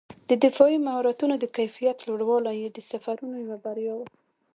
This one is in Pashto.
د دفاعي مهارتونو د کیفیت لوړوالی یې د سفرونو یوه بریا وه.